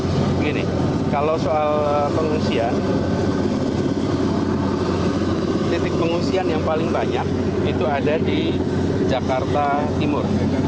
begini kalau soal pengungsian titik pengungsian yang paling banyak itu ada di jakarta timur